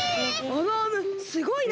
あのアームすごいな！